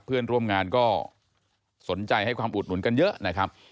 เพื่อนร่วมงานก็สนใจให้ความอุดหนุนกันเยอะนะครับ